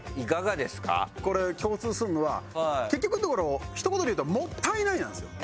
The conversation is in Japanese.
これ共通するのは結局だからひと言で言うと「もったいない」なんですよ。